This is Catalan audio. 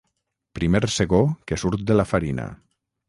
Primer segó que surt de la farina.